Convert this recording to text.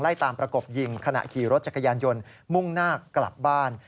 ตามประกบยิงขณะขี่รถจักรยานยนต์มุ่งหน้ากลับบ้าน